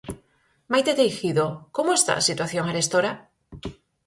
Maite Teijido, como está a situación arestora?